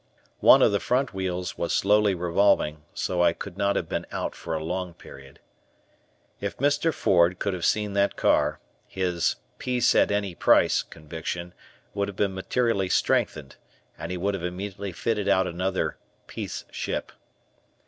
One of the front wheels was slowly revolving, so I could not have been "out" for a long period. If Mr. Ford could have seen that car, his "Peace at Any Price" conviction would have been materially strengthened, and he would have immediately fitted out another "peace ship."